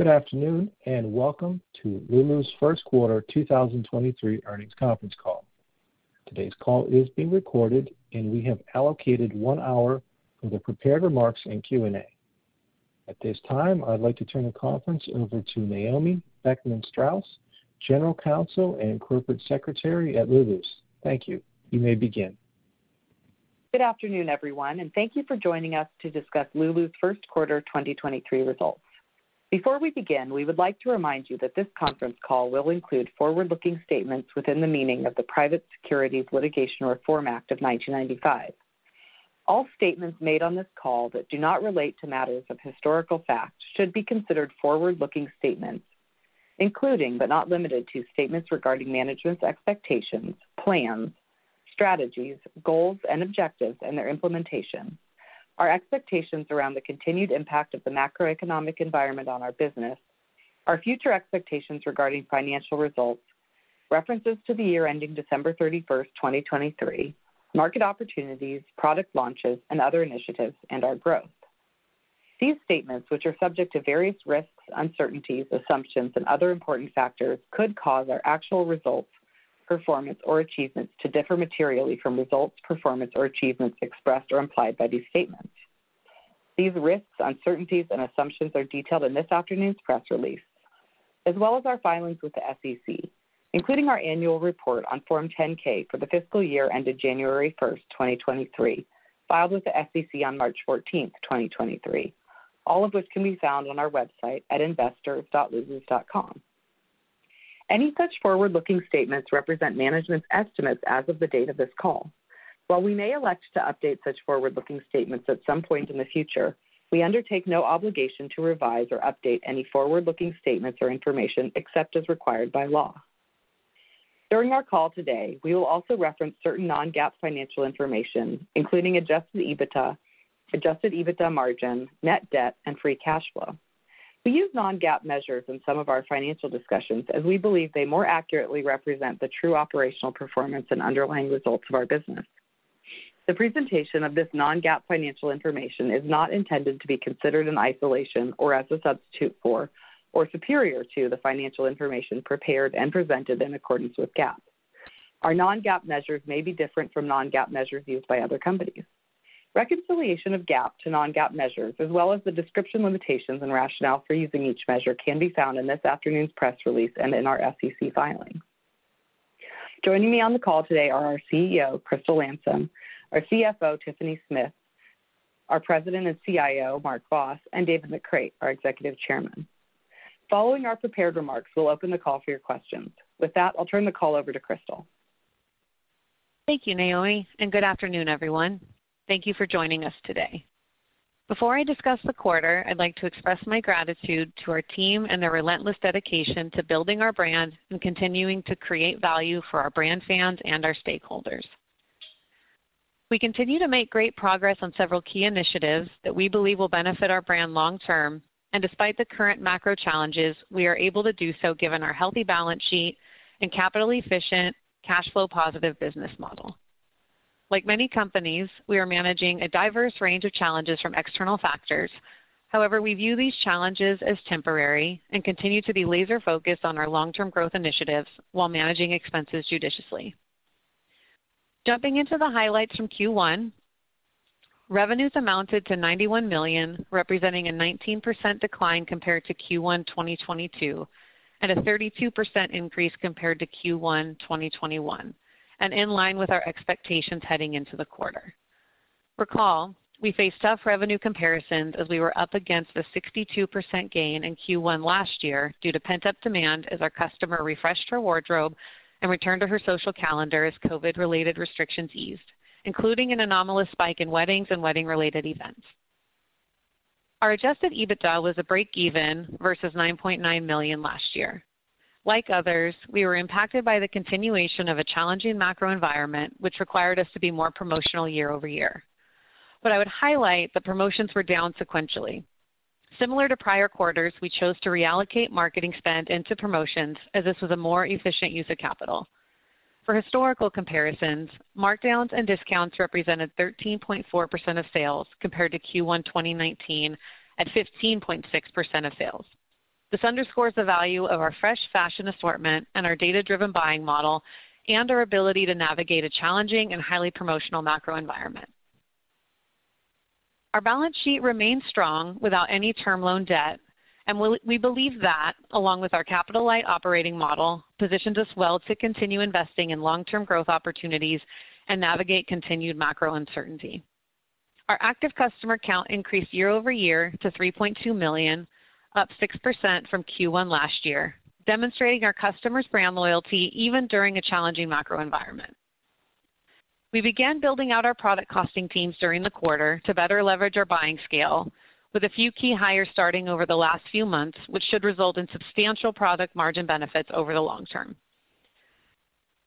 Good afternoon, welcome to Lulu's first quarter 2023 earnings conference call. Today's call is being recorded, and we have allocated one hour for the prepared remarks and Q&A. At this time, I'd like to turn the conference over to Naomi Beckman-Straus, General Counsel and Corporate Secretary at Lulu's. Thank you. You may begin. Good afternoon, everyone, and thank you for joining us to discuss Lulu's first quarter 2023 results. Before we begin, we would like to remind you that this conference call will include forward-looking statements within the meaning of the Private Securities Litigation Reform Act of 1995. All statements made on this call that do not relate to matters of historical fact should be considered forward-looking statements, including but not limited to statements regarding management's expectations, plans, strategies, goals, and objectives and their implementation, our expectations around the continued impact of the macroeconomic environment on our business, our future expectations regarding financial results, references to the year ending December 31st, 2023, market opportunities, product launches and other initiatives, and our growth. These statements, which are subject to various risks, uncertainties, assumptions, and other important factors could cause our actual results, performance, or achievements to differ materially from results, performance, or achievements expressed or implied by these statements. These risks, uncertainties, and assumptions are detailed in this afternoon's press release, as well as our filings with the SEC, including our annual report on Form 10-K for the fiscal year ended January first, 2023, filed with the SEC on March fourteenth, 2023. All of which can be found on our website at investors.Lulu's.com. Any such forward-looking statements represent management's estimates as of the date of this call. While we may elect to update such forward-looking statements at some point in the future, we undertake no obligation to revise or update any forward-looking statements or information except as required by law. During our call today, we will also reference certain non-GAAP financial information, including adjusted EBITDA, adjusted EBITDA margin, net debt, and free cash flow. We use non-GAAP measures in some of our financial discussions as we believe they more accurately represent the true operational performance and underlying results of our business. The presentation of this non-GAAP financial information is not intended to be considered in isolation or as a substitute for or superior to the financial information prepared and presented in accordance with GAAP. Our non-GAAP measures may be different from non-GAAP measures used by other companies. Reconciliation of GAAP to non-GAAP measures, as well as the description limitations and rationale for using each measure can be found in this afternoon's press release and in our SEC filings. Joining me on the call today are our Chief Executive Officer, Crystal Landsem, our Chief Financial Officer, Tiffany Smith, our President and Chief Information Officer, Mark Vos, and David McCreight, our Executive Chairman. Following our prepared remarks, we'll open the call for your questions. With that, I'll turn the call over to Crystal. Thank you, Naomi, and good afternoon, everyone. Thank you for joining us today. Before I discuss the quarter, I'd like to express my gratitude to our team and their relentless dedication to building our brand and continuing to create value for our brand fans and our stakeholders. We continue to make great progress on several key initiatives that we believe will benefit our brand long term, and despite the current macro challenges, we are able to do so given our healthy balance sheet and capital efficient cash flow positive business model. Like many companies, we are managing a diverse range of challenges from external factors. However, we view these challenges as temporary and continue to be laser-focused on our long-term growth initiatives while managing expenses judiciously. Jumping into the highlights from Q1, revenues amounted to $91 million, representing a 19% decline compared to Q1 2022, and a 32% increase compared to Q1 2021, and in line with our expectations heading into the quarter. Recall, we faced tough revenue comparisons as we were up against a 62% gain in Q1 last year due to pent-up demand as our customer refreshed her wardrobe and returned to her social calendar as COVID-related restrictions eased, including an anomalous spike in weddings and wedding-related events. Our adjusted EBITDA was a break-even versus $9.9 million last year. Like others, we were impacted by the continuation of a challenging macro environment, which required us to be more promotional year-over-year. I would highlight the promotions were down sequentially. Similar to prior quarters, we chose to reallocate marketing spend into promotions as this was a more efficient use of capital. For historical comparisons, markdowns and discounts represented 13.4% of sales compared to Q1 2019 at 15.6% of sales. This underscores the value of our fresh fashion assortment and our data-driven buying model and our ability to navigate a challenging and highly promotional macro environment. Our balance sheet remains strong without any term loan debt. We believe that, along with our capital-light operating model, positions us well to continue investing in long-term growth opportunities and navigate continued macro uncertainty. Our active customer count increased year-over-year to 3.2 million, up 6% from Q1 last year, demonstrating our customers' brand loyalty even during a challenging macro environment. We began building out our product costing teams during the quarter to better leverage our buying scale with a few key hires starting over the last few months, which should result in substantial product margin benefits over the long term.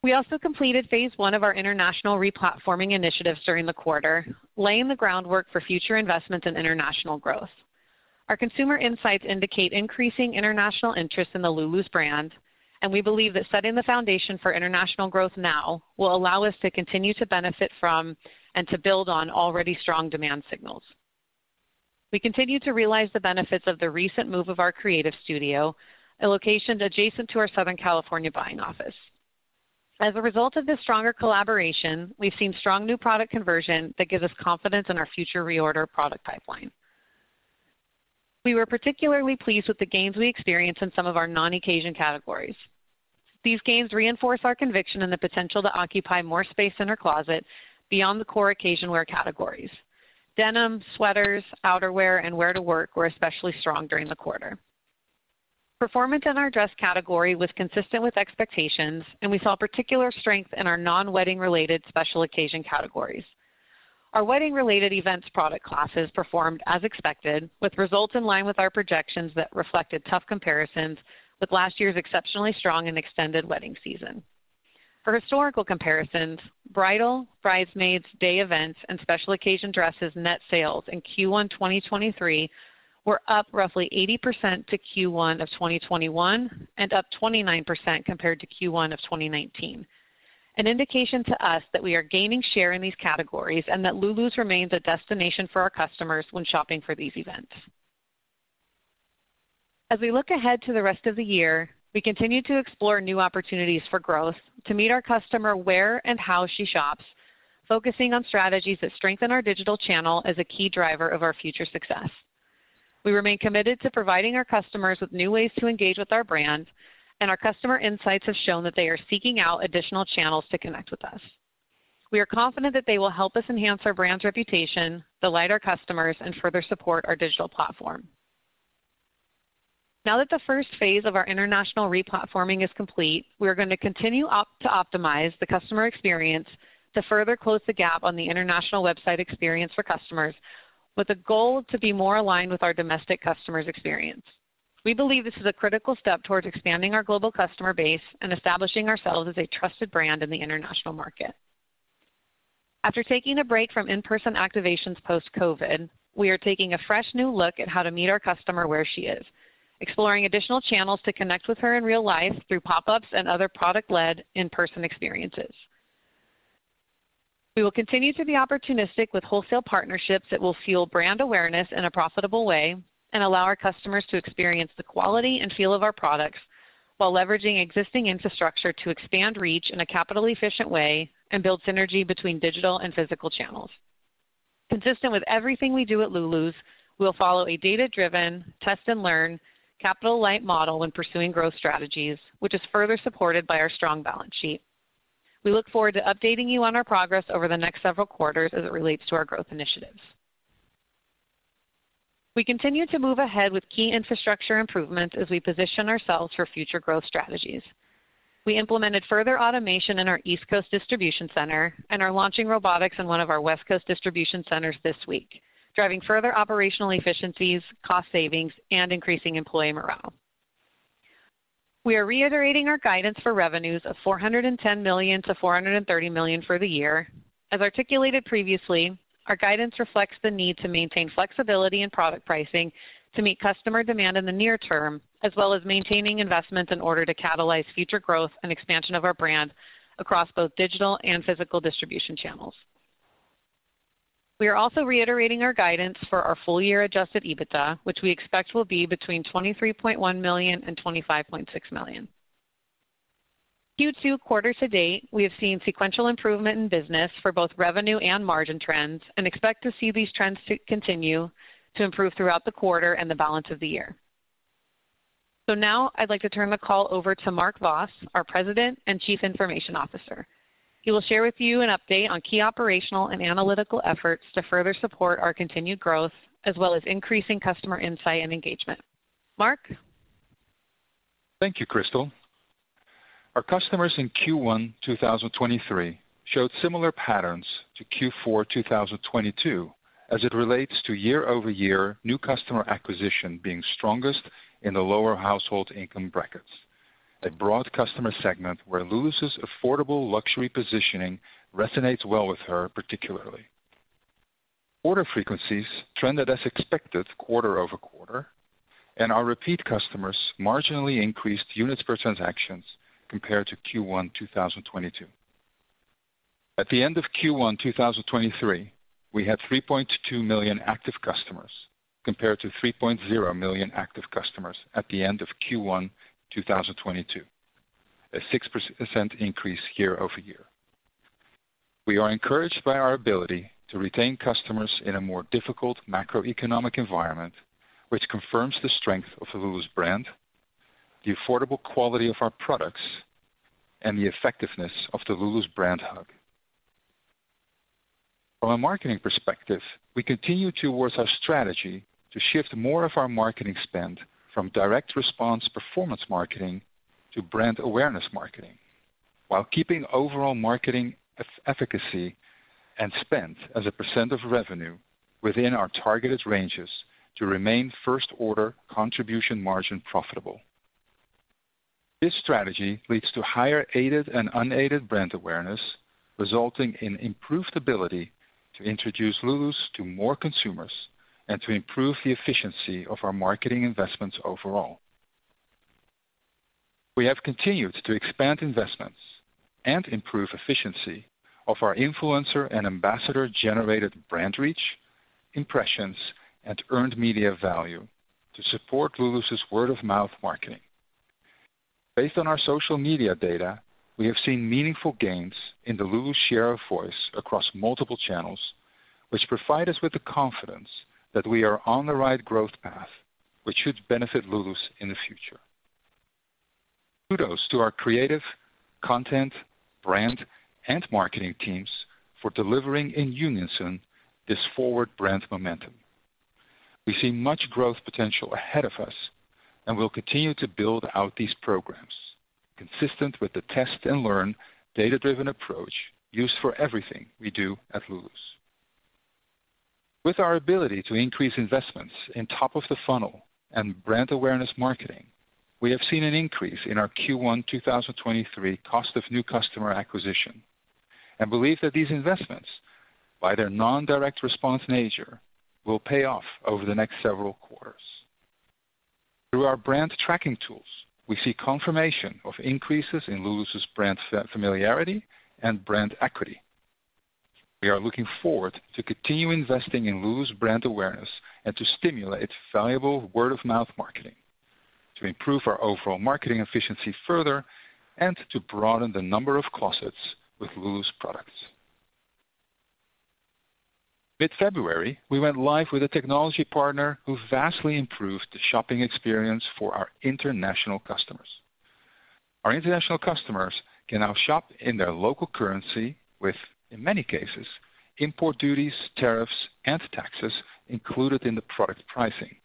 We also completed phase one of our international re-platforming initiatives during the quarter, laying the groundwork for future investments in international growth. Our consumer insights indicate increasing international interest in the Lulu's brand, and we believe that setting the foundation for international growth now will allow us to continue to benefit from and to build on already strong demand signals. We continue to realize the benefits of the recent move of our creative studio, a location adjacent to our Southern California buying office. As a result of this stronger collaboration, we've seen strong new product conversion that gives us confidence in our future reorder product pipeline. We were particularly pleased with the gains we experienced in some of our non-occasion categories. These gains reinforce our conviction in the potential to occupy more space in our closet beyond the core occasion wear categories. Denim, sweaters, outerwear, and wear to work were especially strong during the quarter. Performance in our dress category was consistent with expectations, and we saw particular strength in our non-wedding related special occasion categories. Our wedding related events product classes performed as expected with results in line with our projections that reflected tough comparisons with last year's exceptionally strong and extended wedding season. For historical comparisons, bridal, bridesmaids, day events, and special occasion dresses net sales in Q1 2023 were up roughly 80% to Q1 of 2021 and up 29% compared to Q1 of 2019. An indication to us that we are gaining share in these categories, and that Lulu's remains a destination for our customers when shopping for these events. As we look ahead to the rest of the year, we continue to explore new opportunities for growth to meet our customer where and how she shops, focusing on strategies that strengthen our digital channel as a key driver of our future success. We remain committed to providing our customers with new ways to engage with our brand, and our customer insights have shown that they are seeking out additional channels to connect with us. We are confident that they will help us enhance our brand's reputation, delight our customers, and further support our digital platform. Now that the first phase of our international re-platforming is complete, we are gonna continue to optimize the customer experience to further close the gap on the international website experience for customers with a goal to be more aligned with our domestic customers' experience. We believe this is a critical step towards expanding our global customer base and establishing ourselves as a trusted brand in the international market. After taking a break from in-person activations post-COVID, we are taking a fresh new look at how to meet our customer where she is, exploring additional channels to connect with her in real life through pop-ups and other product-led in-person experiences. We will continue to be opportunistic with wholesale partnerships that will fuel brand awareness in a profitable way and allow our customers to experience the quality and feel of our products while leveraging existing infrastructure to expand reach in a capital-efficient way and build synergy between digital and physical channels. Consistent with everything we do at Lulu's, we'll follow a data-driven test and learn capital-light model when pursuing growth strategies, which is further supported by our strong balance sheet. We look forward to updating you on our progress over the next several quarters as it relates to our growth initiatives. We continue to move ahead with key infrastructure improvements as we position ourselves for future growth strategies. We implemented further automation in our East Coast distribution center and are launching robotics in one of our West Coast distribution centers this week, driving further operational efficiencies, cost savings, and increasing employee morale. We are reiterating our guidance for revenues of $410 million-$430 million for the year. As articulated previously, our guidance reflects the need to maintain flexibility in product pricing to meet customer demand in the near term, as well as maintaining investments in order to catalyze future growth and expansion of our brand across both digital and physical distribution channels. We are also reiterating our guidance for our full year adjusted EBITDA, which we expect will be between $23.1 million and $25.6 million. Q2 quarter to date, we have seen sequential improvement in business for both revenue and margin trends and expect to see these trends to continue to improve throughout the quarter and the balance of the year. Now I'd like to turn the call over to Mark Vos, our President and Chief Information Officer. He will share with you an update on key operational and analytical efforts to further support our continued growth, as well as increasing customer insight and engagement. Mark? Thank you, Crystal. Our customers in Q1 2023 showed similar patterns to Q4 2022 as it relates to year-over-year new customer acquisition being strongest in the lower household income brackets, a broad customer segment where Lulu's affordable luxury positioning resonates well with her, particularly. Order frequencies trended as expected quarter-over-quarter, and our repeat customers marginally increased units per transactions compared to Q1 2022. At the end of Q1 2023, we had 3.2 million active customers, compared to 3.0 million active customers at the end of Q1 2022, a 6% increase year-over-year. We are encouraged by our ability to retain customers in a more difficult macroeconomic environment, which confirms the strength of the Lulu's brand, the affordable quality of our products, and the effectiveness of the Lulu's brand hug. From a marketing perspective, we continue towards our strategy to shift more of our marketing spend from direct response performance marketing to brand awareness marketing while keeping overall marketing efficacy and spend as a percent of revenue within our targeted ranges to remain first order contribution margin profitable. This strategy leads to higher aided and unaided brand awareness, resulting in improved ability to introduce Lulu's to more consumers and to improve the efficiency of our marketing investments overall. We have continued to expand investments and improve efficiency of our influencer and ambassador generated brand reach, impressions, and earned media value to support Lulu's word-of-mouth marketing. Based on our social media data, we have seen meaningful gains in the Lulu's share of voice across multiple channels, which provide us with the confidence that we are on the right growth path, which should benefit Lulu's in the future. Kudos to our creative, content, brand, and marketing teams for delivering in unison this forward brand momentum. We see much growth potential ahead of us, and we'll continue to build out these programs consistent with the test and learn data-driven approach used for everything we do at Lulu's. With our ability to increase investments in top of the funnel and brand awareness marketing, we have seen an increase in our Q1 2023 cost of new customer acquisition, and believe that these investments, by their non-direct response nature, will pay off over the next several quarters. Through our brand tracking tools, we see confirmation of increases in Lulu's brand familiarity and brand equity. We are looking forward to continue investing in Lulu's brand awareness and to stimulate valuable word-of-mouth marketing, to improve our overall marketing efficiency further and to broaden the number of closets with Lulu's products. Mid-February, we went live with a technology partner who vastly improved the shopping experience for our international customers. Our international customers can now shop in their local currency with, in many cases, import duties, tariffs, and taxes included in the product pricing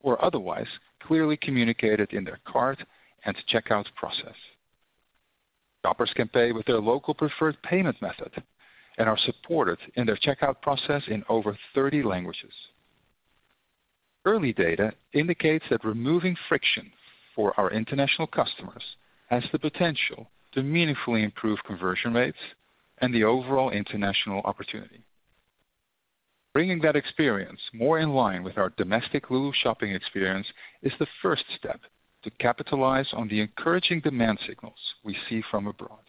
or otherwise clearly communicated in their cart and checkout process. Shoppers can pay with their local preferred payment method and are supported in their checkout process in over 30 languages. Early data indicates that removing friction for our international customers has the potential to meaningfully improve conversion rates and the overall international opportunity. Bringing that experience more in line with our domestic Lulu shopping experience is the first step to capitalize on the encouraging demand signals we see from abroad.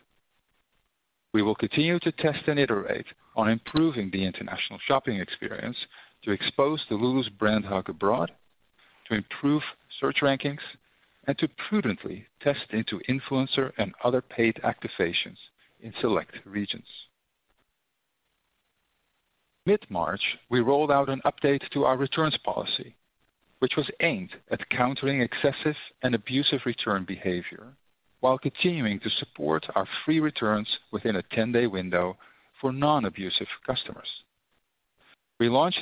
We will continue to test and iterate on improving the international shopping experience to expose the Lulu's brand hug abroad, to improve search rankings, and to prudently test into influencer and other paid activations in select regions. Mid-March, we rolled out an update to our returns policy, which was aimed at countering excessive and abusive return behavior while continuing to support our free returns within a 10-day window for non-abusive customers. Thus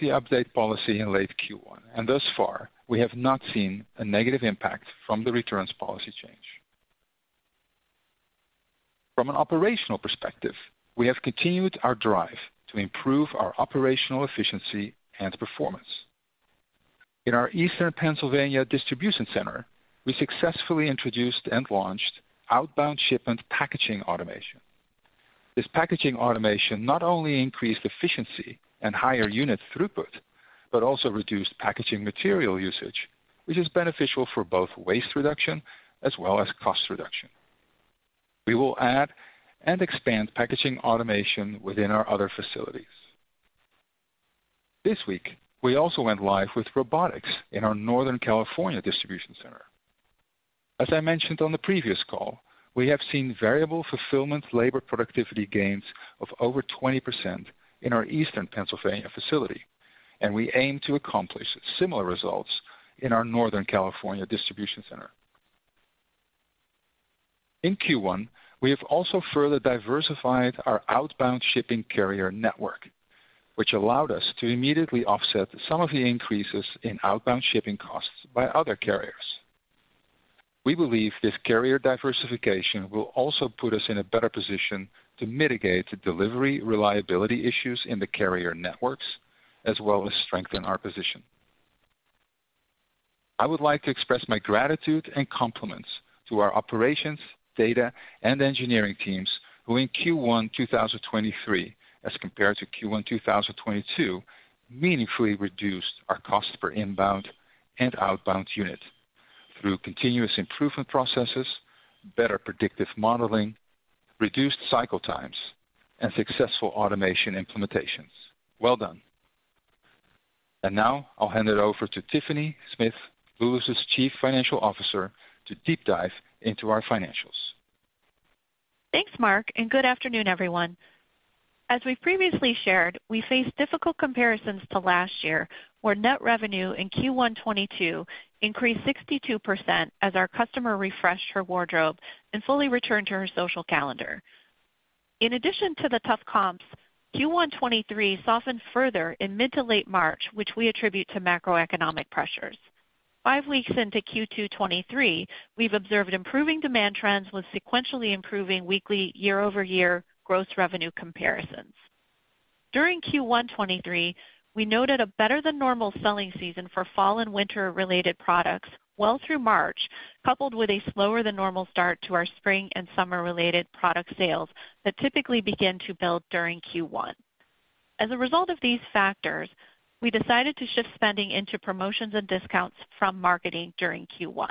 far, we have not seen a negative impact from the returns policy change. From an operational perspective, we have continued our drive to improve our operational efficiency and performance. In our eastern Pennsylvania distribution center, we successfully introduced and launched outbound shipment packaging automation. This packaging automation not only increased efficiency and higher unit throughput, but also reduced packaging material usage, which is beneficial for both waste reduction as well as cost reduction. We will add and expand packaging automation within our other facilities. This week, we also went live with robotics in our northern California distribution center. As I mentioned on the previous call, we have seen variable fulfillment labor productivity gains of over 20% in our eastern Pennsylvania facility, and we aim to accomplish similar results in our northern California distribution center. In Q1, we have also further diversified our outbound shipping carrier network, which allowed us to immediately offset some of the increases in outbound shipping costs by other carriers. We believe this carrier diversification will also put us in a better position to mitigate the delivery reliability issues in the carrier networks, as well as strengthen our position. I would like to express my gratitude and compliments to our operations, data, and engineering teams who in Q1 2023 as compared to Q1 2022, meaningfully reduced our cost per inbound and outbound unit through continuous improvement processes, better predictive modeling, reduced cycle times, and successful automation implementations. Well done. Now I'll hand it over to Tiffany Smith, Lulu's Chief Financial Officer, to deep dive into our financials. Thanks, Mark, and good afternoon, everyone. As we previously shared, we face difficult comparisons to last year, where net revenue in Q1 2022 increased 62% as our customer refreshed her wardrobe and fully returned to her social calendar. In addition to the tough comps, Q1 2023 softened further in mid to late March, which we attribute to macroeconomic pressures. Five weeks into Q2 2023, we've observed improving demand trends with sequentially improving weekly year-over-year gross revenue comparisons. During Q1 2023, we noted a better than normal selling season for fall and winter-related products well through March, coupled with a slower than normal start to our spring and summer related product sales that typically begin to build during Q1. As a result of these factors, we decided to shift spending into promotions and discounts from marketing during Q1.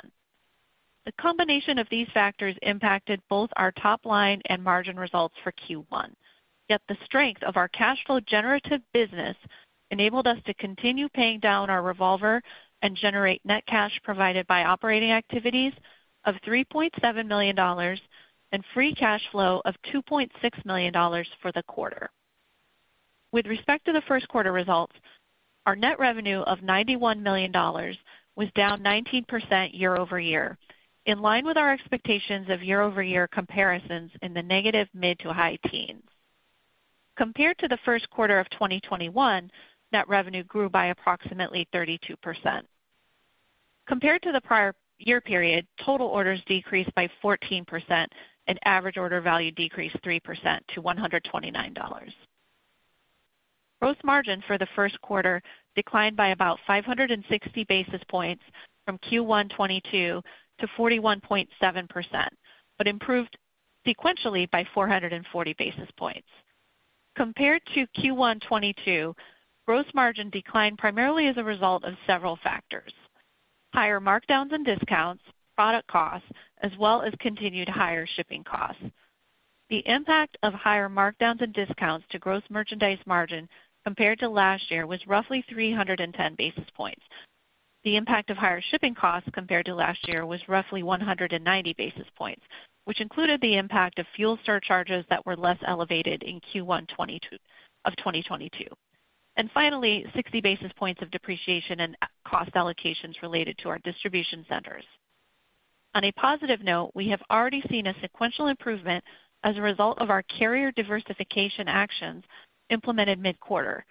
The combination of these factors impacted both our top line and margin results for Q1. The strength of our cash flow generative business enabled us to continue paying down our revolver and generate net cash provided by operating activities of $3.7 million and free cash flow of $2.6 million for the quarter. With respect to the first quarter results, our net revenue of $91 million was down 19% year-over-year, in line with our expectations of year-over-year comparisons in the negative mid to high teens. Compared to the first quarter of 2021, net revenue grew by approximately 32%. Compared to the prior year period, total orders decreased by 14% and average order value decreased 3% to $129. Gross margin for the first quarter declined by about 560 basis points from Q1 2022 to 41.7%, but improved sequentially by 440 basis points. Compared to Q1 2022, gross margin declined primarily as a result of several factors, higher markdowns and discounts, product costs, as well as continued higher shipping costs. The impact of higher markdowns and discounts to gross merchandise margin compared to last year was roughly 310 basis points. The impact of higher shipping costs compared to last year was roughly 190 basis points, which included the impact of fuel surcharges that were less elevated in Q1 2022. Finally, 60 basis points of depreciation and cost allocations related to our distribution centers. On a positive note, we have already seen a sequential improvement as a result of our carrier diversification actions implemented mid-quarter,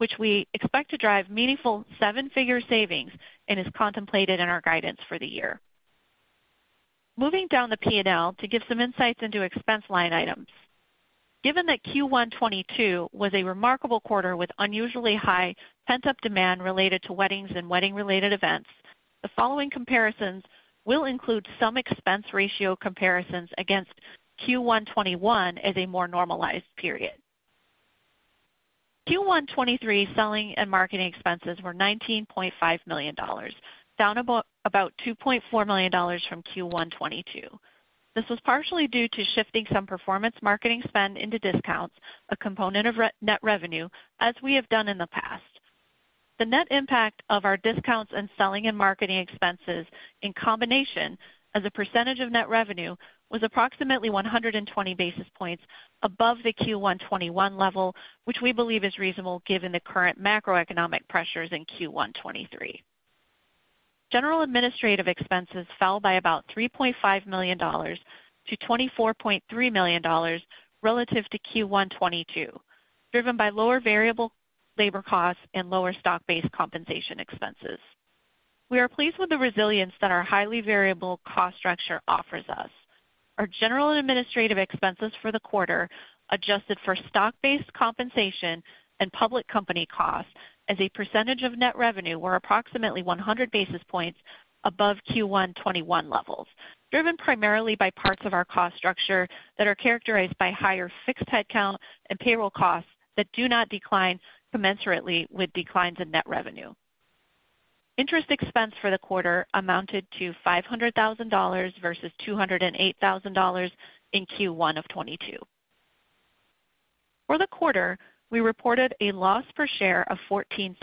which we expect to drive meaningful seven-figure savings and is contemplated in our guidance for the year. Moving down the P&L to give some insights into expense line items. Given that Q1 2022 was a remarkable quarter with unusually high pent-up demand related to weddings and wedding related events, the following comparisons will include some expense ratio comparisons against Q1 2021 as a more normalized period. Q1 2023 selling and marketing expenses were $19.5 million, down about $2.4 million from Q1 2022. This was partially due to shifting some performance marketing spend into discounts, a component of net revenue, as we have done in the past. The net impact of our discounts and selling and marketing expenses in combination as a percentage of net revenue was approximately 120 basis points above the Q1 2021 level, which we believe is reasonable given the current macroeconomic pressures in Q1 2023. General administrative expenses fell by about $3.5 million to $24.3 million relative to Q1 2022, driven by lower variable labor costs and lower stock-based compensation expenses. We are pleased with the resilience that our highly variable cost structure offers us. Our general and administrative expenses for the quarter, adjusted for stock-based compensation and public company costs as a percentage of net revenue, were approximately 100 basis points above Q1 2021 levels, driven primarily by parts of our cost structure that are characterized by higher fixed headcount and payroll costs that do not decline commensurately with declines in net revenue. Interest expense for the quarter amounted to $500,000 versus $208,000 in Q1 2022. For the quarter, we reported a loss per share of $0.14,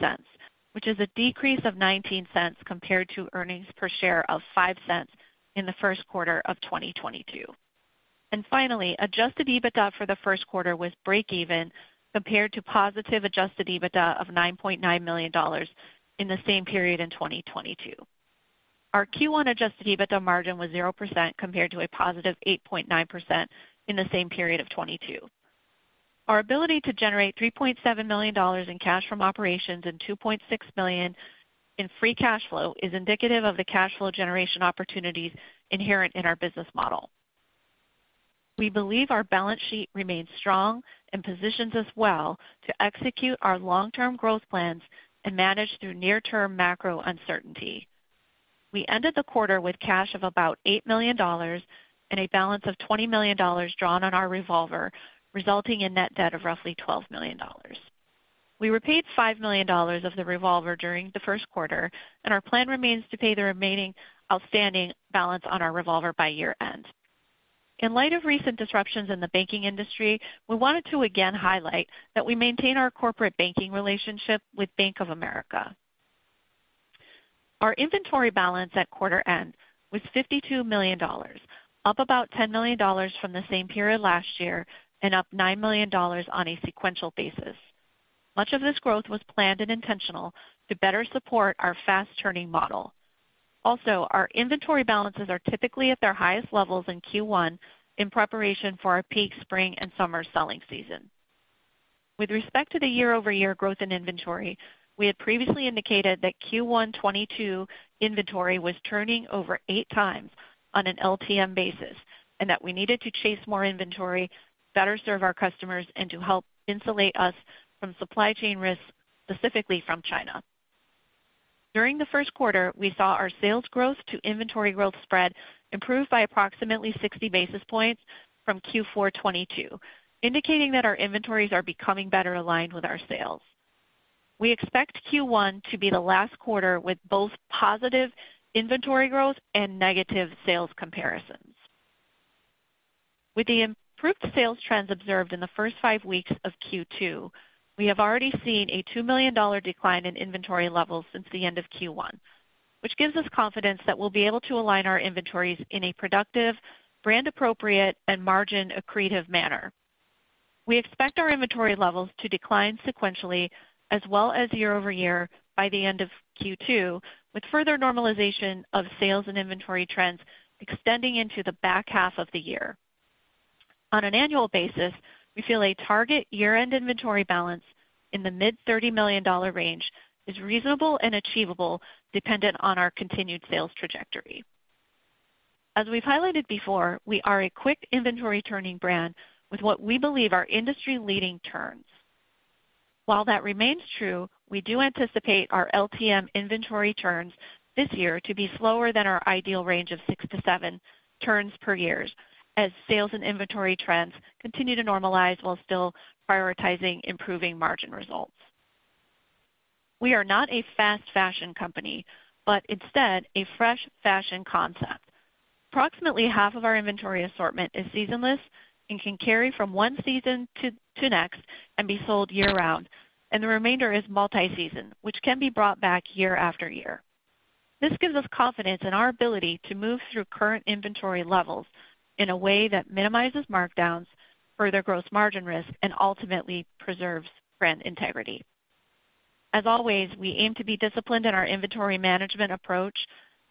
which is a decrease of $0.19 compared to earnings per share of $0.05 in the first quarter of 2022. Finally, adjusted EBITDA for the first quarter was break even, compared to positive adjusted EBITDA of $9.9 million in the same period in 2022. Our Q1 adjusted EBITDA margin was 0% compared to a positive 8.9% in the same period of 2022. Our ability to generate $3.7 million in cash from operations and $2.6 million in free cash flow is indicative of the cash flow generation opportunities inherent in our business model. We believe our balance sheet remains strong and positions us well to execute our long-term growth plans and manage through near-term macro uncertainty. We ended the quarter with cash of about $8 million and a balance of $20 million drawn on our revolver, resulting in net debt of roughly $12 million. We repaid $5 million of the revolver during the first quarter. Our plan remains to pay the remaining outstanding balance on our revolver by year-end. In light of recent disruptions in the banking industry, we wanted to again highlight that we maintain our corporate banking relationship with Bank of America. Our inventory balance at quarter end was $52 million, up about $10 million from the same period last year and up $9 million on a sequential basis. Much of this growth was planned and intentional to better support our fast turning model. Our inventory balances are typically at their highest levels in Q1 in preparation for our peak spring and summer selling season. With respect to the year-over-year growth in inventory, we had previously indicated that Q1 '22 inventory was turning over eight times on an LTM basis, and that we needed to chase more inventory, better serve our customers, and to help insulate us from supply chain risks, specifically from China. During the first quarter, we saw our sales growth to inventory growth spread improve by approximately 60 basis points from Q4 '22, indicating that our inventories are becoming better aligned with our sales. We expect Q1 to be the last quarter with both positive inventory growth and negative sales comparisons. With the improved sales trends observed in the first five weeks of Q2, we have already seen a $2 million decline in inventory levels since the end of Q1, which gives us confidence that we'll be able to align our inventories in a productive, brand appropriate, and margin accretive manner. We expect our inventory levels to decline sequentially as well as year-over-year by the end of Q2, with further normalization of sales and inventory trends extending into the back half of the year. On an annual basis, we feel a target year-end inventory balance in the mid $30 million range is reasonable and achievable dependent on our continued sales trajectory. As we've highlighted before, we are a quick inventory turning brand with what we believe are industry leading turns. While that remains true, we do anticipate our LTM inventory turns this year to be slower than our ideal range of six to seven turns per year as sales and inventory trends continue to normalize while still prioritizing improving margin results. We are not a fast fashion company, but instead a fresh fashion concept. Approximately half of our inventory assortment is seasonless and can carry from one season to next and be sold year round, and the remainder is multi-season, which can be brought back year after year. This gives us confidence in our ability to move through current inventory levels in a way that minimizes markdowns, further gross margin risk, and ultimately preserves brand integrity. As always, we aim to be disciplined in our inventory management approach,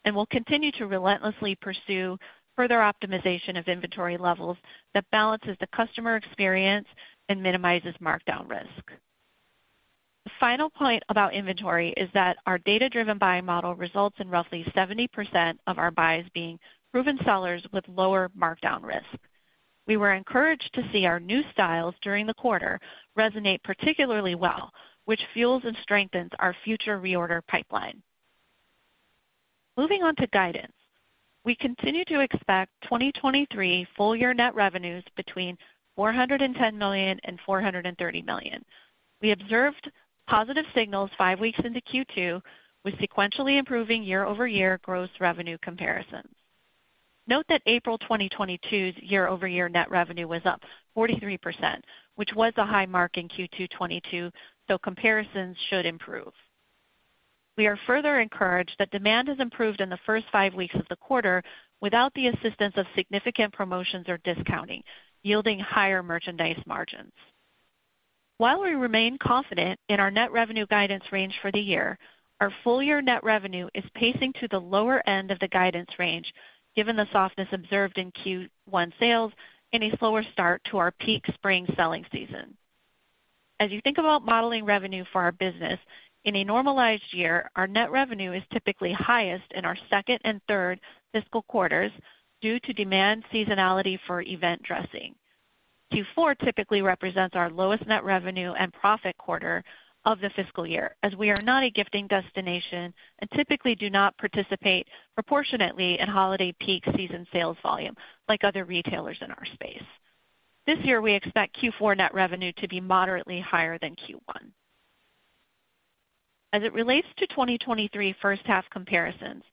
and we'll continue to relentlessly pursue further optimization of inventory levels that balances the customer experience and minimizes markdown risk. The final point about inventory is that our data-driven buying model results in roughly 70% of our buys being proven sellers with lower markdown risk. We were encouraged to see our new styles during the quarter resonate particularly well, which fuels and strengthens our future reorder pipeline. Moving on to guidance. We continue to expect 2023 full year net revenues between $410 million and $430 million. We observed positive signals five weeks into Q2 with sequentially improving year-over-year gross revenue comparisons. Note that April 2022's year-over-year net revenue was up 43%, which was a high mark in Q2 2022, though comparisons should improve. We are further encouraged that demand has improved in the first five weeks of the quarter without the assistance of significant promotions or discounting, yielding higher merchandise margins. While we remain confident in our net revenue guidance range for the year, our full year net revenue is pacing to the lower end of the guidance range given the softness observed in Q1 sales and a slower start to our peak spring selling season. As you think about modeling revenue for our business, in a normalized year, our net revenue is typically highest in our second and third fiscal quarters due to demand seasonality for event dressing. Q4 typically represents our lowest net revenue and profit quarter of the fiscal year, as we are not a gifting destination and typically do not participate proportionately in holiday peak season sales volume like other retailers in our space. This year, we expect Q4 net revenue to be moderately higher than Q1. As it relates to 2023 first half comparisons,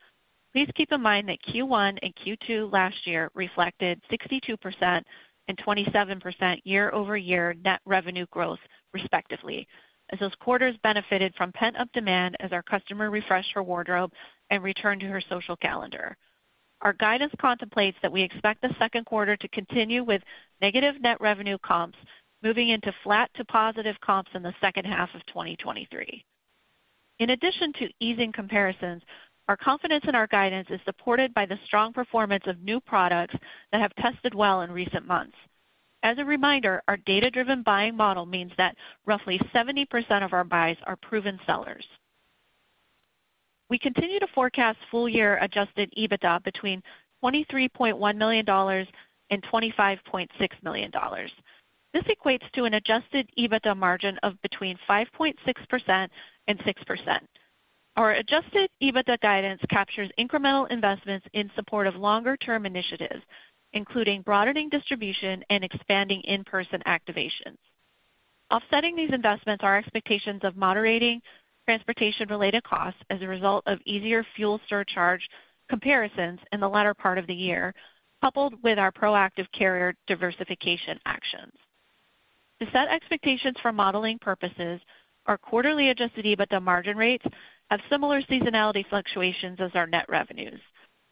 please keep in mind that Q1 and Q2 last year reflected 62% and 27% year-over-year net revenue growth, respectively, as those quarters benefited from pent up demand as our customer refreshed her wardrobe and returned to her social calendar. Our guidance contemplates that we expect the second quarter to continue with negative net revenue comps moving into flat to positive comps in the second half of 2023. In addition to easing comparisons, our confidence in our guidance is supported by the strong performance of new products that have tested well in recent months. As a reminder, our data driven buying model means that roughly 70% of our buys are proven sellers. We continue to forecast full year adjusted EBITDA between $23.1 million and $25.6 million. This equates to an adjusted EBITDA margin of between 5.6% and 6%. Our adjusted EBITDA guidance captures incremental investments in support of longer term initiatives, including broadening distribution and expanding in person activations. Offsetting these investments are expectations of moderating transportation related costs as a result of easier fuel surcharge comparisons in the latter part of the year, coupled with our proactive carrier diversification actions. To set expectations for modeling purposes, our quarterly adjusted EBITDA margin rates have similar seasonality fluctuations as our net revenues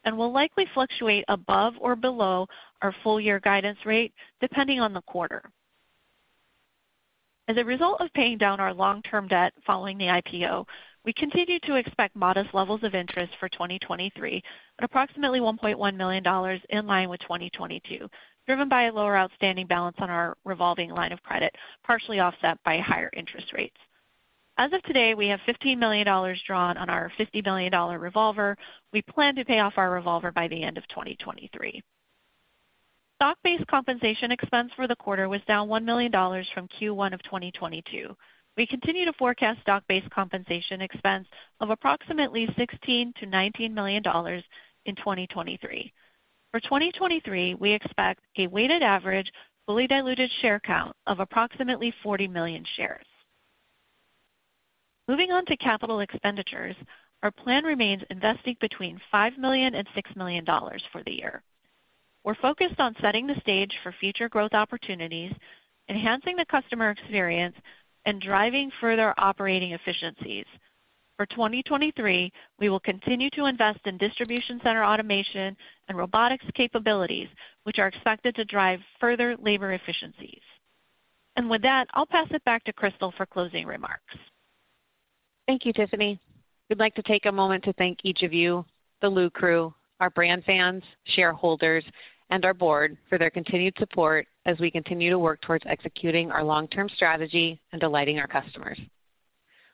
and will likely fluctuate above or below our full year guidance rate depending on the quarter. As a result of paying down our long term debt following the IPO, we continue to expect modest levels of interest for 2023 at approximately $1.1 million in line with 2022, driven by a lower outstanding balance on our revolving line of credit, partially offset by higher interest rates. As of today, we have $15 million drawn on our $50 million revolver. We plan to pay off our revolver by the end of 2023. Stock-based compensation expense for the quarter was down $1 million from Q1 of 2022. We continue to forecast stock-based compensation expense of approximately $16 million-$19 million in 2023. For 2023, we expect a weighted average fully diluted share count of approximately 40 million shares. Moving on to capital expenditures. Our plan remains investing between $5 million and $6 million for the year. We're focused on setting the stage for future growth opportunities, enhancing the customer experience, and driving further operating efficiencies. For 2023, we will continue to invest in distribution center automation and robotics capabilities, which are expected to drive further labor efficiencies. With that, I'll pass it back to Crystal for closing remarks. Thank you, Tiffany. We'd like to take a moment to thank each of you, the LuCrew, our brand fans, shareholders, and our board for their continued support as we continue to work towards executing our long-term strategy and delighting our customers.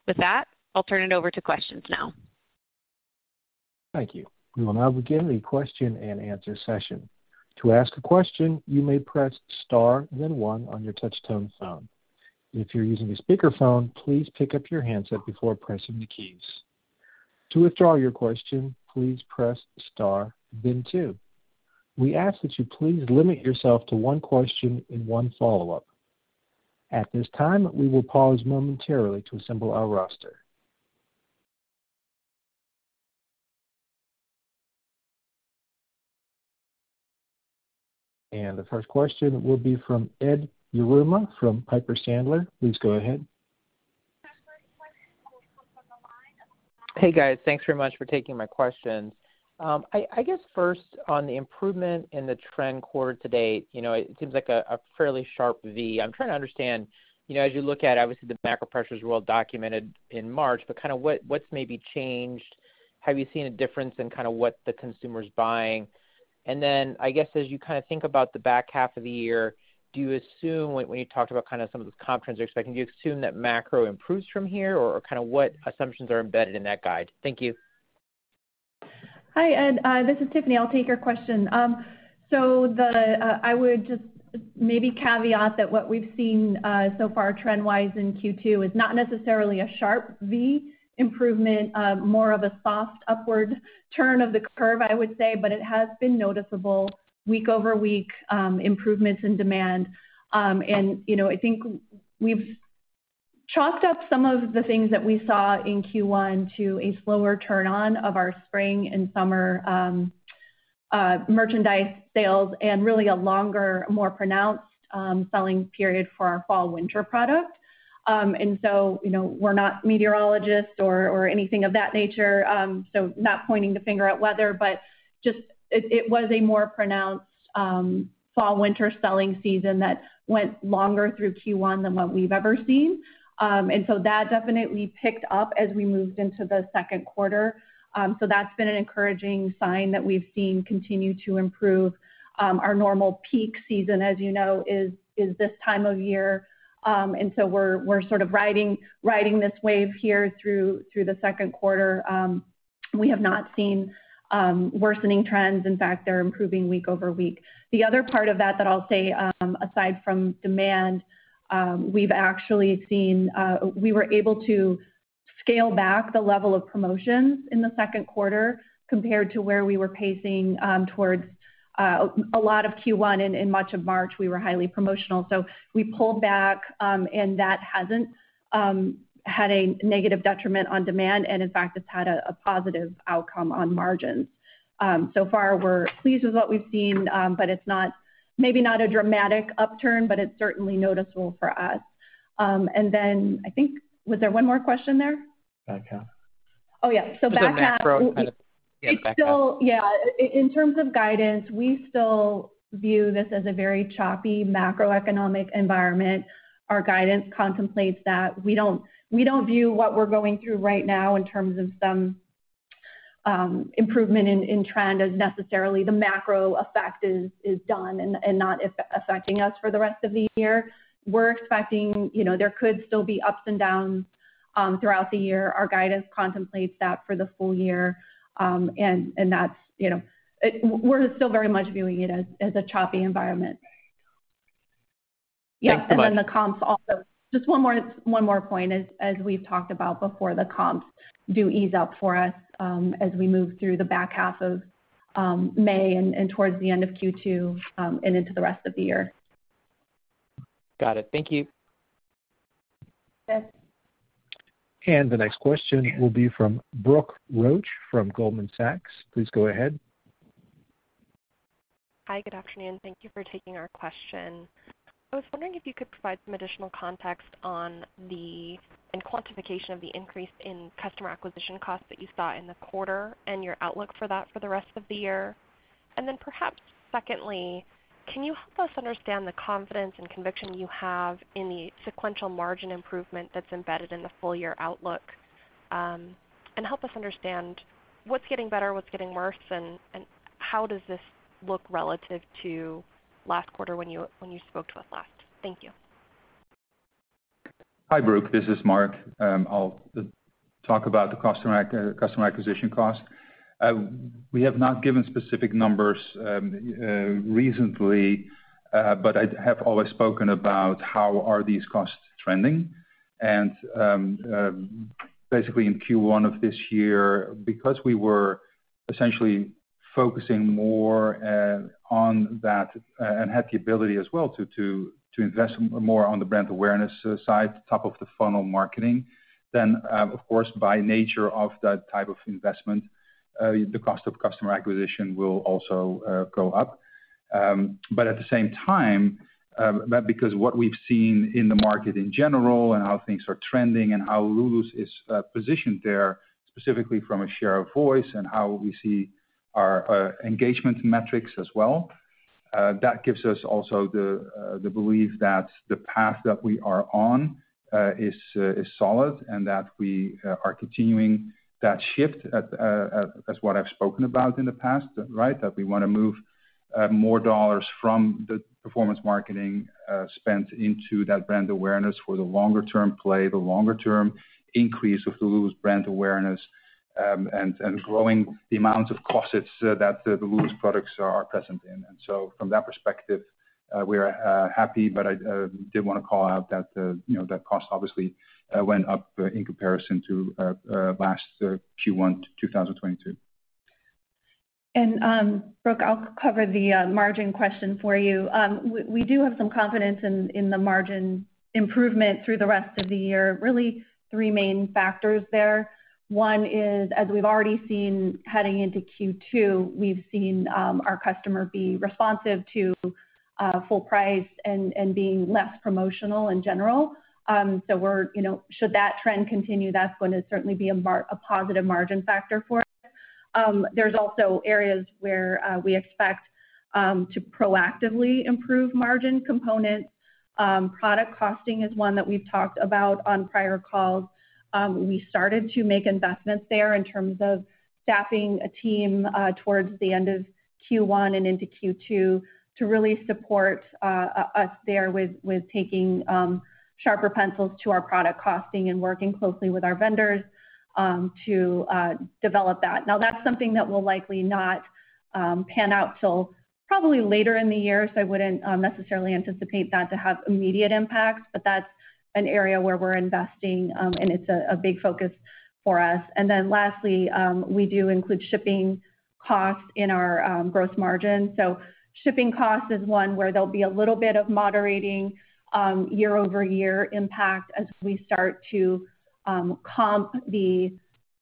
With that, I'll turn it over to questions now. Thank you. We will now begin the question and answer session. To ask a question, you may press Star then one on your touch-tone phone. If you're using a speakerphone, please pick up your handset before pressing the keys. To withdraw your question, please press Star then two. We ask that you please limit yourself to one question and one follow-up. At this time, we will pause momentarily to assemble our roster. The first question will be from Ed Yruma from Piper Sandler. Please go ahead. Hey, guys. Thanks very much for taking my questions. I guess first, on the improvement in the trend quarter to date, you know, it seems like a fairly sharp V. I'm trying to understand, you know, as you look at, obviously, the macro pressures were well documented in March, but kinda what's maybe changed? Have you seen a difference in kinda what the consumer's buying? I guess, as you kinda think about the back half of the year, when you talked about kinda some of those comp trends you're expecting, do you assume that macro improves from here, or kinda what assumptions are embedded in that guide? Thank you. Hi, Ed. This is Tiffany. I'll take your question. I would just maybe caveat that what we've seen so far trend-wise in Q2 is not necessarily a sharp V improvement, more of a soft upward turn of the curve, I would say, but it has been noticeable week over week, improvements in demand. You know, I think we've chopped up some of the things that we saw in Q1 to a slower turn on of our spring and summer merchandise sales and really a longer, more pronounced, selling period for our fall/winter product. You know, we're not meteorologists or anything of that nature, so not pointing the finger at weather, but just it was a more pronounced, fall/winter selling season that went longer through Q1 than what we've ever seen. That definitely picked up as we moved into the second quarter. That's been an encouraging sign that we've seen continue to improve. Our normal peak season, as you know, is this time of year. We're sort of riding this wave here through the second quarter. We have not seen worsening trends. In fact, they're improving week over week. The other part of that that I'll say, aside from demand, we've actually seen. We were able to scale back the level of promotions in the second quarter compared to where we were pacing towards a lot of Q1 and in much of March, we were highly promotional. We pulled back, and that hasn't had a negative detriment on demand, and in fact, it's had a positive outcome on margins. So far, we're pleased with what we've seen, but it's not maybe not a dramatic upturn, but it's certainly noticeable for us. I think Was there one more question there? Back half. Oh, yeah. The macro kind of. Yeah, back half. It's still. Yeah. In terms of guidance, we still view this as a very choppy macroeconomic environment. Our guidance contemplates that. We don't view what we're going through right now in terms of some improvement in trend as necessarily the macro effect is done and not affecting us for the rest of the year. We're expecting, you know, there could still be ups and downs throughout the year. Our guidance contemplates that for the full year. That's, you know, we're still very much viewing it as a choppy environment. Thanks so much. Yeah. The comps also. Just one more point. As we've talked about before, the comps do ease up for us, as we move through the back half of May and towards the end of Q2 and into the rest of the year. Got it. Thank you. Yes. The next question will be from Brooke Roach from Goldman Sachs. Please go ahead. Hi. Good afternoon. Thank you for taking our question. I was wondering if you could provide some additional context and quantification of the increase in customer acquisition costs that you saw in the quarter and your outlook for that for the rest of the year. Perhaps secondly, can you help us understand the confidence and conviction you have in the sequential margin improvement that's embedded in the full year outlook and help us understand what's getting better, what's getting worse, and how does this look relative to last quarter when you, when you spoke to us last? Thank you. Hi, Brooke. This is Mark. I'll talk about the customer acquisition cost. We have not given specific numbers recently, but I have always spoken about how are these costs trending. Basically in Q1 of this year, because we were essentially focusing more on that and had the ability as well to invest more on the brand awareness side, top of the funnel marketing, then, of course, by nature of that type of investment, the cost of customer acquisition will also go up. At the same time, because what we've seen in the market in general and how things are trending and how Lulu's is positioned there, specifically from a share of voice and how we see our engagement metrics as well, that gives us also the belief that the path that we are on is solid and that we are continuing that shift at as what I've spoken about in the past, right? That we wanna move more dollars from the performance marketing spent into that brand awareness for the longer term play, the longer term increase of Lulu's brand awareness, and growing the amount of closets that the Lulu's products are present in. From that perspective, we are happy, but I did wanna call out that, you know, that cost obviously went up in comparison to last Q1 to 2022. Brooke, I'll cover the margin question for you. We do have some confidence in the margin improvement through the rest of the year. Really three main factors there. One is, as we've already seen heading into Q2, we've seen our customer be responsive to full price and being less promotional in general. We're, you know, should that trend continue, that's going to certainly be a positive margin factor for us. There's also areas where we expect to proactively improve margin components. Product costing is one that we've talked about on prior calls. We started to make investments there in terms of staffing a team towards the end of Q1 and into Q2 to really support us there with taking sharper pencils to our product costing and working closely with our vendors to develop that. That's something that will likely not pan out till probably later in the year, so I wouldn't necessarily anticipate that to have immediate impacts. That's an area where we're investing, and it's a big focus for us. Lastly, we do include shipping costs in our gross merchandise margin. Shipping costs is one where there'll be a little bit of moderating year-over-year impact as we start to comp the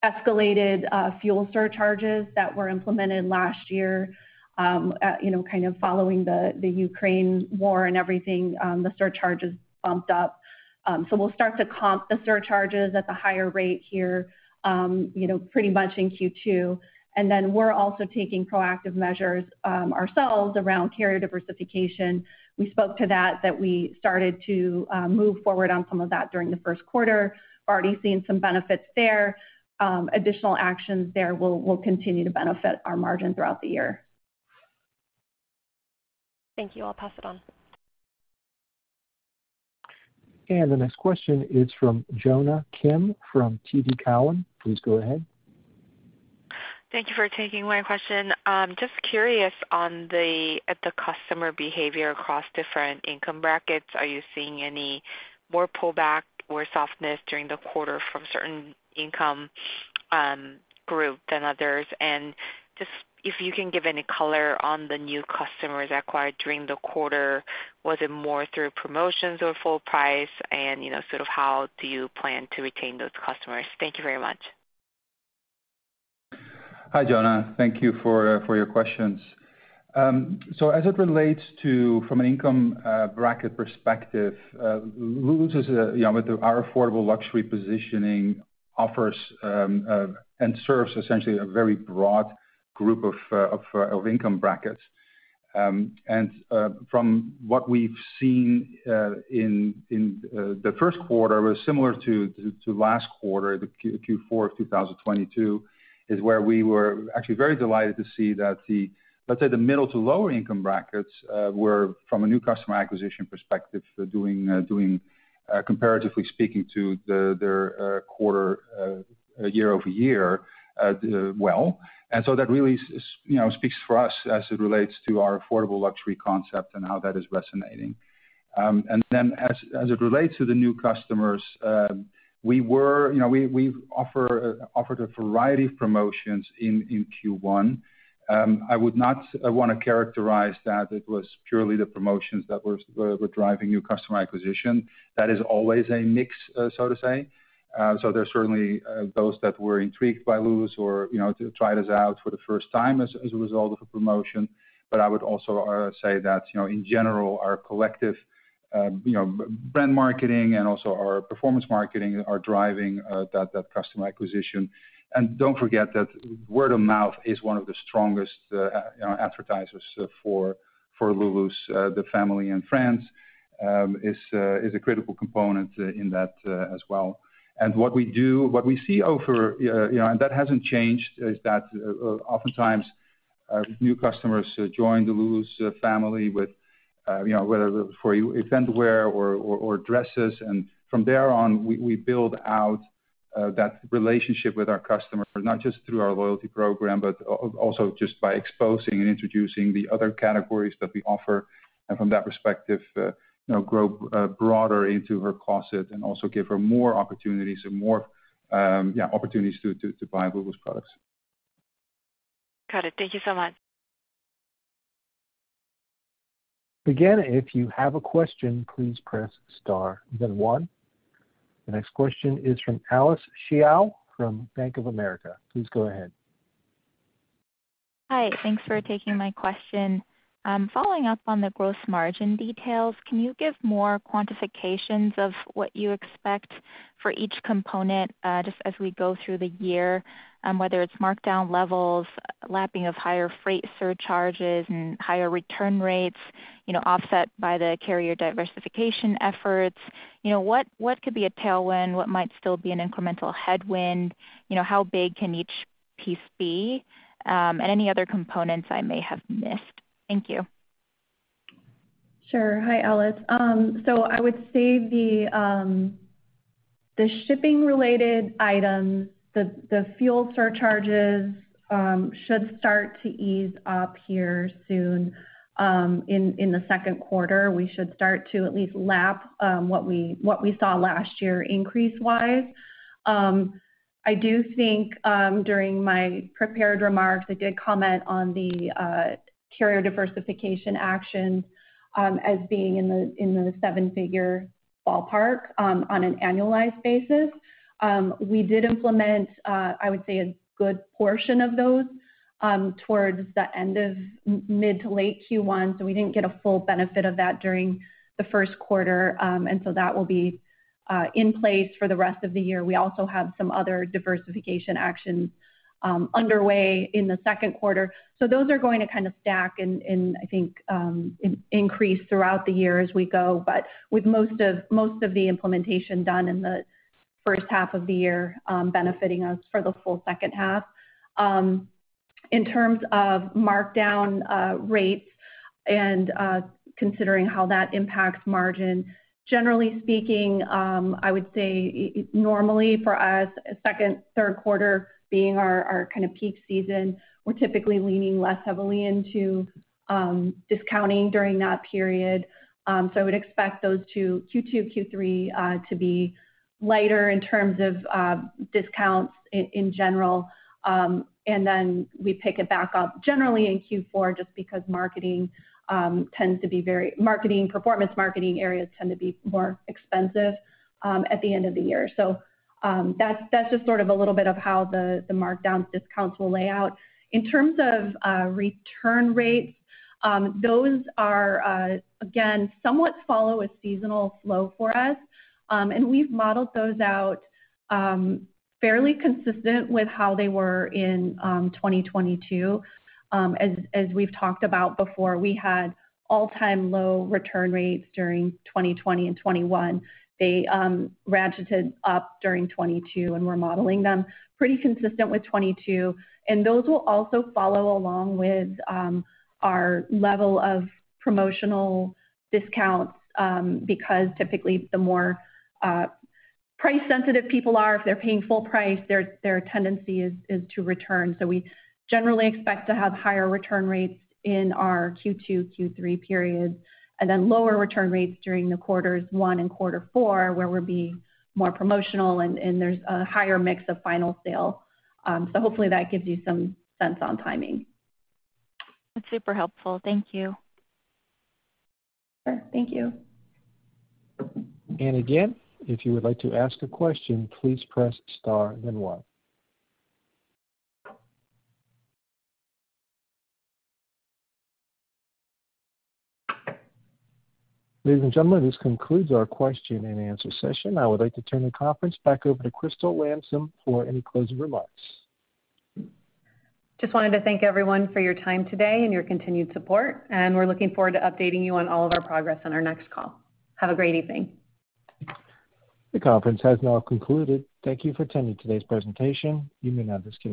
escalated fuel surcharges that were implemented last year. You know, kind of following the Ukraine War and everything, the surcharges bumped up. We'll start to comp the surcharges at the higher rate here, you know, pretty much in Q2. We're also taking proactive measures ourselves around carrier diversification. We spoke to that we started to move forward on some of that during the first quarter. We're already seeing some benefits there. Additional actions there will continue to benefit our margin throughout the year. Thank you. I'll pass it on. The next question is from Jonna Kim from TD Cowen. Please go ahead. Thank you for taking my question. Just curious on the customer behavior across different income brackets. Are you seeing any more pullback or softness during the quarter from certain income group than others? Just if you can give any color on the new customers acquired during the quarter, was it more through promotions or full price? You know, sort of how do you plan to retain those customers? Thank you very much. Hi Jonna, thank you for your questions. So as it relates to from an income bracket perspective, Lulu's is, you know, with our affordable luxury positioning, offers and serves essentially a very broad group of income brackets. And from what we've seen in the first quarter was similar to last quarter, Q4 of 2022, is where we were actually very delighted to see that the, let's say, the middle to lower income brackets were, from a new customer acquisition perspective, doing comparatively speaking to their quarter year-over-year well. And so that really, you know, speaks for us as it relates to our affordable luxury concept and how that is resonating. As, as it relates to the new customers, we were, you know, we offered a variety of promotions in Q1. I would not wanna characterize that it was purely the promotions that were driving new customer acquisition. That is always a mix, so to say. There's certainly those that were intrigued by Lulu's or, you know, to try this out for the first time as a result of a promotion. I would also say that, you know, in general, our collective, you know, brand marketing and also our performance marketing are driving that customer acquisition. Don't forget that word of mouth is one of the strongest advertisers for Lulu's. The family and friends is a critical component in that as well. What we do, what we see over, you know, and that hasn't changed, is that oftentimes our new customers join the Lulu's family with, you know, whether for event wear or dresses. From there on, we build out that relationship with our customers, not just through our loyalty program, but also just by exposing and introducing the other categories that we offer. From that perspective, you know, grow broader into her closet and also give her more opportunities and more, yeah, opportunities to buy Lulu's products. Got it. Thank you so much. Again, if you have a question, please press star then one. The next question is from Alice Xiao from Bank of America. Please go ahead. Hi. Thanks for taking my question. Following up on the gross margin details, can you give more quantifications of what you expect for each component, just as we go through the year, whether it's markdown levels, lapping of higher freight surcharges and higher return rates, you know, offset by the carrier diversification efforts? You know, what could be a tailwind, what might still be an incremental headwind? You know, how big can each piece be? Any other components I may have missed. Thank you. Sure. Hi, Alice. I would say the shipping related items, the fuel surcharges should start to ease up here soon in the second quarter. We should start to at least lap what we saw last year increase-wise. I do think during my prepared remarks, I did comment on the carrier diversification action as being in the seven-figure ballpark on an annualized basis. We did implement I would say a good portion of those towards the end of mid to late Q1. We didn't get a full benefit of that during the first quarter. That will be in place for the rest of the year. We also have some other diversification actions underway in the second quarter. Those are going to kind of stack and I think increase throughout the year as we go. With most of the implementation done in the first half of the year, benefiting us for the full second half. In terms of markdown rates and considering how that impacts margin, generally speaking, I would say normally for us, second, third quarter being our kind of peak season, we're typically leaning less heavily into discounting during that period. I would expect those two, Q2, Q3, to be lighter in terms of discounts in general. Then we pick it back up generally in Q4 just because marketing, performance marketing areas tend to be more expensive at the end of the year. That's just sort of a little bit of how the markdown discounts will lay out. In terms of return rates, those are again, somewhat follow a seasonal flow for us. We've modeled those out fairly consistent with how they were in 2022. As we've talked about before, we had all-time low return rates during 2020 and 2021. They ratcheted up during 2022, and we're modeling them pretty consistent with 2022. Those will also follow along with our level of promotional discounts, because typically the more price sensitive people are, if they're paying full price, their tendency is to return. We generally expect to have higher return rates in our Q2, Q3 periods, and then lower return rates during the quarter one and Q4, where we're being more promotional and there's a higher mix of final sale. Hopefully that gives you some sense on timing. That's super helpful. Thank you. Sure. Thank you. Again, if you would like to ask a question, please press star then one. Ladies and gentlemen, this concludes our question and answer session. I would like to turn the conference back over to Crystal Landsem for any closing remarks. Just wanted to thank everyone for your time today and your continued support, and we're looking forward to updating you on all of our progress on our next call. Have a great evening. The conference has now concluded. Thank you for attending today's presentation. You may now disconnect.